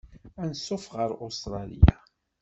Anṣuf ɣer Ustṛalya.